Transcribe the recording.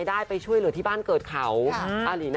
อยากเงียบเลยตอนนี้